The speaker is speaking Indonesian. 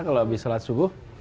kalau habis sholat subuh